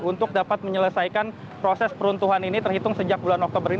untuk dapat menyelesaikan proses peruntuhan ini terhitung sejak bulan oktober ini